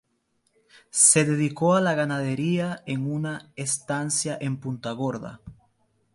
Se dedicó a la ganadería en una estancia en Punta Gorda.